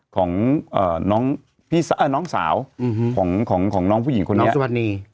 ของน้องสาวของน้องผู้หญิงคนนี้